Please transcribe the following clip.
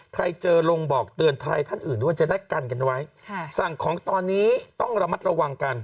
ใครเจอลงบอกเตือนไทยท่านอื่นด้วยว่าจะได้กันกันไว้สั่งของตอนนี้ต้องระมัดระวังกัน